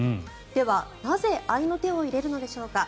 では、なぜ合の手を入れるのでしょうか。